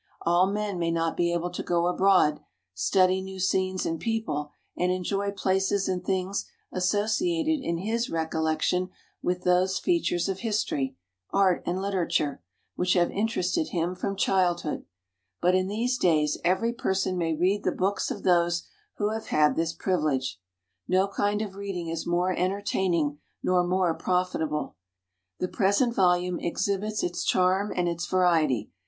All men may not be able to go abroad, study new scenes and people, and enjoy places and things associated in his recollection with those features of history, art and literature, which have interested him from childhood; but in these days every person may read the books of those who have had this privilege. No kind of reading is more entertaining nor more profitable. The present volume exhibits its charm and its variety.